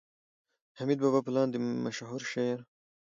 د حميد بابا په لاندې مشهور شعر